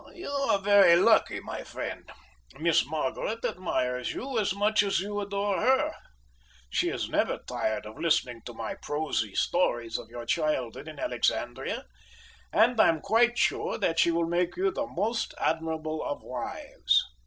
"You are very lucky, my friend. Miss Margaret admires you as much as you adore her. She is never tired of listening to my prosy stories of your childhood in Alexandria, and I'm quite sure that she will make you the most admirable of wives."